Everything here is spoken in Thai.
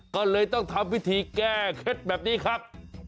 ก็เลยต้องทำวิธีแก้เคล็ดแบบนี้ครับ